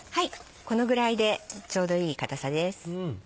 このぐらいでちょうどいい硬さです。